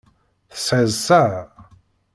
Tesɛiḍ ssaɛa.